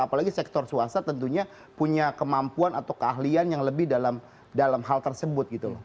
apalagi sektor swasta tentunya punya kemampuan atau keahlian yang lebih dalam hal tersebut gitu loh